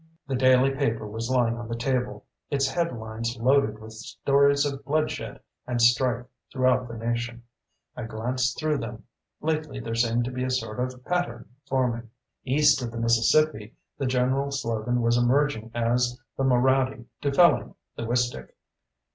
The daily paper was lying on the table, its headlines loaded with stories of bloodshed and strife throughout the nation. I glanced through them. Lately, there seemed to be a sort of pattern forming. East of the Mississippi, the general slogan was emerging as the Moraddy dufelling the Wistick.